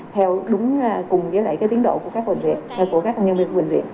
theo đúng cùng với lại tiến độ của các nhân viên bệnh viện